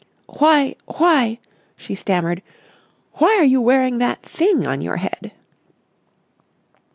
"Why—why," she stammered, "why are you wearing that thing on your head?"